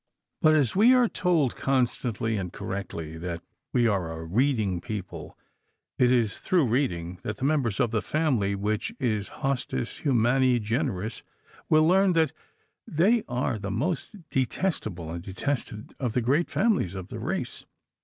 But as we are told constantly and correctly that we are a reading people, it is through reading that the members of the family which is hostis humani generis will learn that they are the most detestable and detested of the great families of the race.